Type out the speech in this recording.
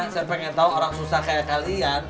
saya pengen tahu orang susah kayak kalian